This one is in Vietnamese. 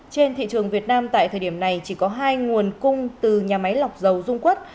trên thị trường việt nam tại thời điểm này chỉ có hai nguồn cung từ nhà máy lọc dầu dung quất